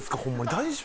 大丈夫？